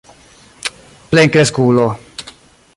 plenkreskulo